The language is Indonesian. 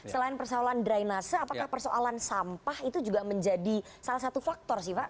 selain persoalan drainase apakah persoalan sampah itu juga menjadi salah satu faktor sih pak